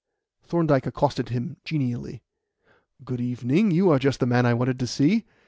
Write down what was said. Thorndyke accosted him genially. "Good evening. You are just the man I wanted to see.